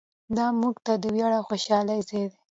دا موږ ته د ویاړ او خوشحالۍ ځای دی.